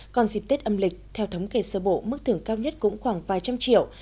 còn dịp tết âm lịch theo thống kê sơ bộ mức thưởng cao nhất cũng khoảng vài trăm triệu